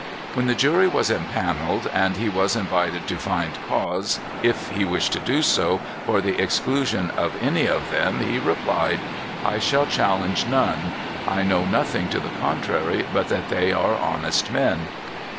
When the jury was impanelled, and he was invited to find cause, if he wished to do so, for the exclusion of any of them, he replied: "I shall challenge none. I know nothing to the contrary but that they are all honest men."